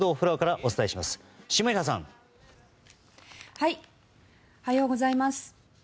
おはようございます。